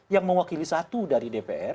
yang mewakili satu dari dpr